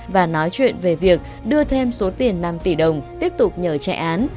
và nói chuyện về việc đưa thêm số tiền năm tỷ đồng tiếp tục nhờ chạy án